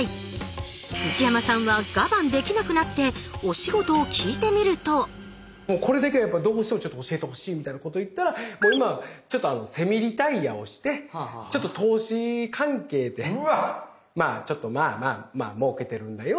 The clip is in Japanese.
内山さんは我慢できなくなってお仕事を聞いてみるとこれだけはどうしても教えてほしいみたいなことを言ったら「今はセミリタイアをしてちょっと投資関係でまぁまぁまぁもうけてるんだよ」